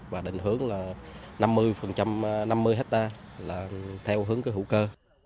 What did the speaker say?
và định hướng là năm mươi hectare là theo hướng hữu cơ